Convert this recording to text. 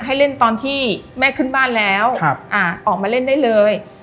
ให้เล่นตอนที่แม่ขึ้นบ้านแล้วออกมาเล่นได้เลย